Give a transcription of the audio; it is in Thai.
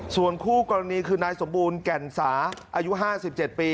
ส่วนคู่กรณีคือนายสมบูรณ์แก่นสาอายุ๕๗ปี